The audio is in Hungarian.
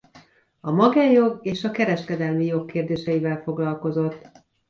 A magánjog és a kereskedelmi jog kérdéseivel foglalkozott.